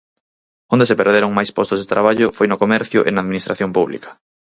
Onde se perderon máis postos de traballo foi no comercio e na Administración pública.